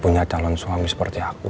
punya calon suami seperti aku